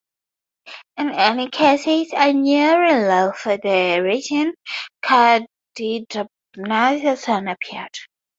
In any case a new ruler for the region, Cogidubnus, soon appeared.